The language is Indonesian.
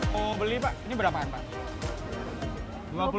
mau beli pak ini berapaan pak